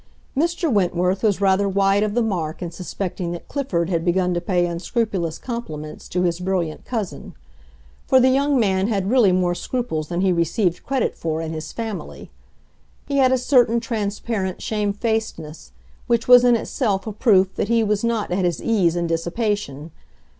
Mr. Wentworth was rather wide of the mark in suspecting that Clifford had begun to pay unscrupulous compliments to his brilliant cousin; for the young man had really more scruples than he received credit for in his family. He had a certain transparent shamefacedness which was in itself a proof that he was not at his ease in dissipation.